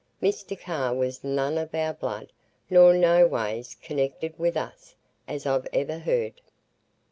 Mr Carr was none of our blood, nor noways connected with us, as I've ever heared."